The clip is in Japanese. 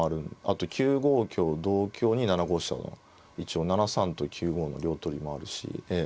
あと９五香同香に７五飛車の一応７三と９五の両取りもあるし。